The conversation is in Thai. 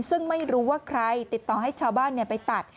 ซึ่งไม่รู้ว่าใครติดต่อให้ชาวบ้านไปตัด